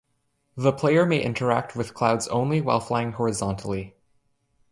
The player may interact with clouds only while flying horizontally.